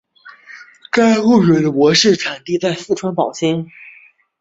该物种的模式产地在四川宝兴。